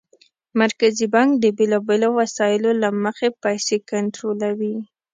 مرکزي بانک د بېلابېلو وسایلو له مخې پیسې کنټرولوي.